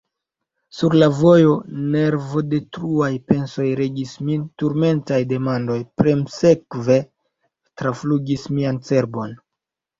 Sur la vojo nervodetruaj pensoj regis min; turmentaj demandoj premsekve traflugis mian cerbon.